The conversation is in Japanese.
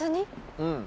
うん。